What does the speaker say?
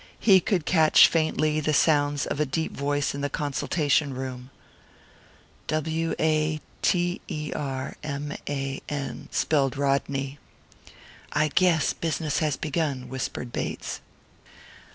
He could catch faintly the sounds of a deep voice in the consultation room. "W a t e r m a n," spelled Rodney. "I guess business has begun," whispered Bates.